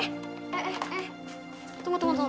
eh eh eh tunggu tunggu tunggu